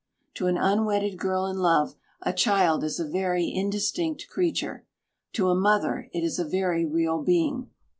To an unwedded girl in love, a child is a very indistinct creature. To a mother, it is a very real being.